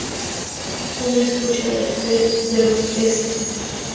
Un escucha de los St.